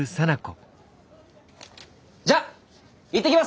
じゃっ行ってきます！